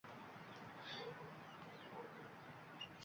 Do’stimiz zor bo’lsa gar